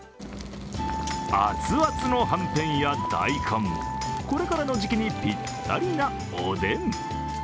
アツアツのはんぺんや大根、これからの時期にぴったりなおでん。